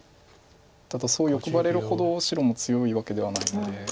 ただそう欲張れるほど白も強いわけではないので。